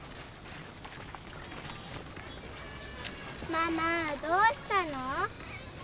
ママどうしたの？